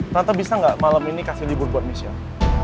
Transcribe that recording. tata bisa nggak malam ini kasih libur buat michelle